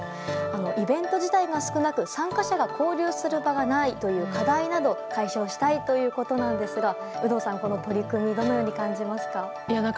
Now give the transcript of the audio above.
イベント自体が少なく参加者が交流する場がないなどの課題を解消したいということですが有働さん、この取り組みどのように感じますか？